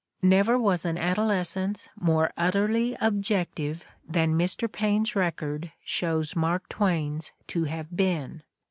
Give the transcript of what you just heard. Never was an adolescence more utterly objective than Mr. Paine 's record shows Mark Twain's to have been!